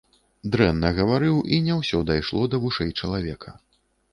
Дрэнна гаварыў, і не ўсё дайшло да вушэй чалавека.